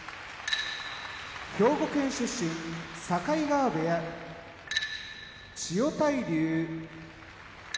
兵庫県出身境川部屋千代大龍東京都出身